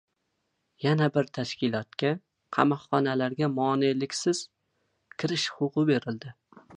Yana bir tashkilotga qamoqxonalarga moneliksiz kirish huquqi berildi